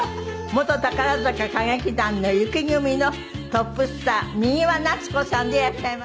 元宝塚歌劇団の雪組のトップスター汀夏子さんでいらっしゃいます。